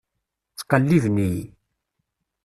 Ttqelliben-iyi.